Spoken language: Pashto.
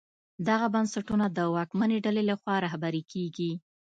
دغه بنسټونه د واکمنې ډلې لخوا رهبري کېږي.